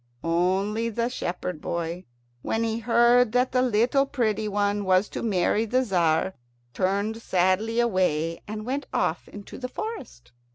Only the shepherd boy, when he heard that the little pretty one was to marry the Tzar, turned sadly away and went off into the forest.